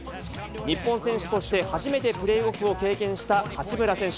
日本選手として、初めてプレーオフを経験した八村選手。